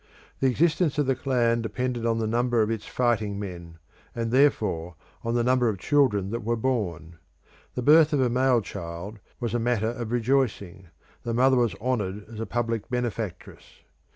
The existence of the clan depended on the number of its fighting men, and therefore on the number of children that were born. The birth of a male child was a matter of rejoicing: the mother was honoured as a public benefactress.